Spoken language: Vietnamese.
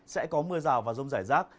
sẽ có mưa rào và rông rải rác